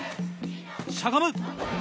しゃがむ！